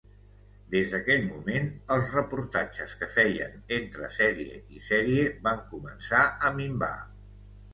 Des d'aquell moment, els reportatges que feien entre sèrie i sèrie, van començar a minvar.